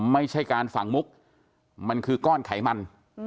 ไม่ใช่การฝังมุกมันคือก้อนไขมัน